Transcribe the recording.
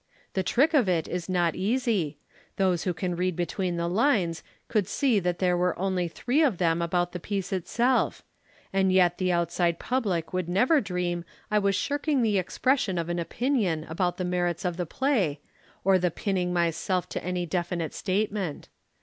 The trick of it is not easy. Those who can read between the lines could see that there were only three of them about the piece itself, and yet the outside public would never dream I was shirking the expression of an opinion about the merits of the play or the pinning myself to any definite statement.